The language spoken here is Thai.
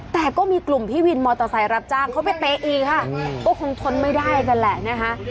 แต่ก็มีกลุ่มพี่วินมอเตอร์ไซค์รับจ้างเขาไปเตะอีกค่ะก็คงทนไม่ได้กันแหละนะคะ